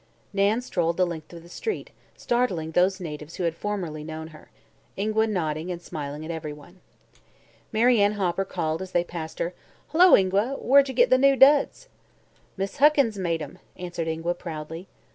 Nan strolled the length of the street, startling those natives who had formerly known her, Ingua nodded and smiled at everyone. Mary Ann Hopper called, as they passed her: "Hullo, Ingua. Where'd ye git the new duds?" "Miss Huckins made 'em," answered Ingua proudly.